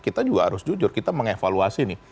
kita juga harus jujur kita mengevaluasi nih